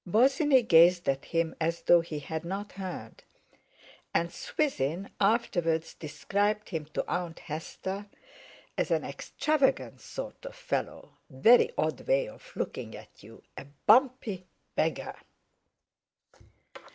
Bosinney gazed at him as though he had not heard; and Swithin afterwards described him to Aunt Hester as "an extravagant sort of fellow very odd way of looking at you—a bumpy beggar!"